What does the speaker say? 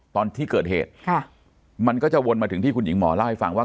ตอนที่เกิดเหตุค่ะมันก็จะวนมาถึงที่คุณหญิงหมอเล่าให้ฟังว่า